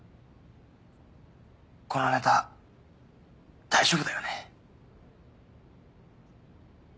このネタ大丈夫だよね？